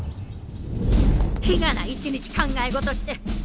日がな一日考え事して。